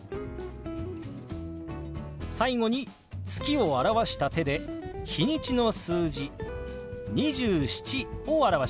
最後に「月」を表した手で日にちの数字「２７」を表します。